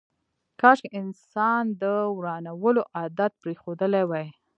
کاشکي انسان د ورانولو عادت پرېښودلی وای.